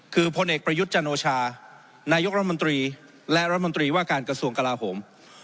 คือพลเอกประยุทธ์จันโอชานายกรัฐมนตรีและรัฐมนตรีว่าการกระทรวงกลาโหม